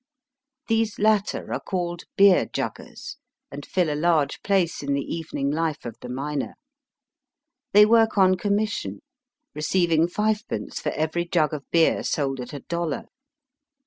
These latter are called beer juggers, and fill a large place in the evening life of the miner. They work on commission, receiving fivepence for every jug of beer sold at a dollar.